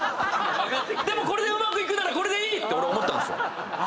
でもこれでうまくいくならこれでいいって思ったんですよ。